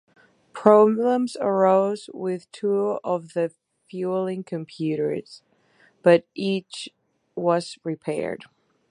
Problems arose with two of the fueling computers, but each was repaired.